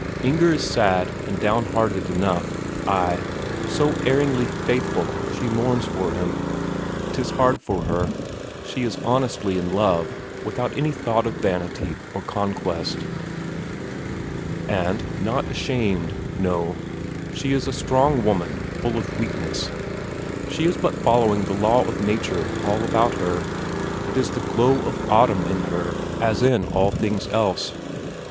Inger is sad and down hearted enough; ay, so erringly faithful that she mourns for him. 'Tis hard for her; she is honestly in love, without any thought of vanity or conquest. And not ashamed, no; she is a strong woman full of weakness; she is but following the law of nature all about her; it is the glow of autumn in her as in all things else.